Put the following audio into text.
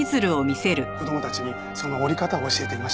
子供たちにその折り方を教えていました。